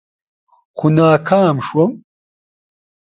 خو ناکام شوم.